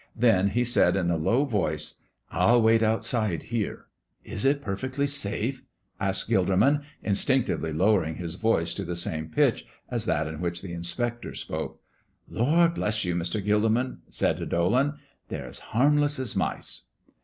Then he said, in a low voice, "I'll wait outside here." "Is it perfectly safe?" asked Gilderman, instinctively lowering his voice to the same pitch as that in which the inspector spoke. "Lord bless you! yes, Mr. Gilderman," said Dolan; "they're as harmless as mice."